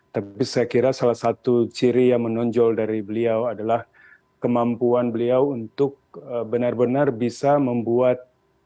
tapi saya kira salah satu ciri yang menonjol dari beliau adalah kemampuan beliau untuk benar benar bisa membuat